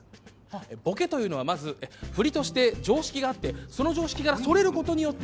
ボケというのはまず振りとして常識があってその常識からそれる事によって。